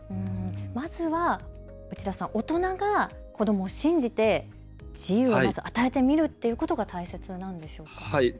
まずは大人が子どもを信じて自由を与えてみるということが大切なんですね。